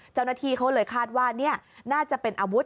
เจ้าหน้าที่เขาเลยคาดว่านี่น่าจะเป็นอาวุธ